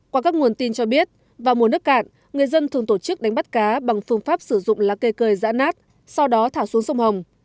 qua các nguồn tin cho biết vào mùa nước cạn người dân thường tổ chức đánh bắt cá bằng phương pháp sử dụng lá cây cơi dã nát sau đó thả xuống sông hồng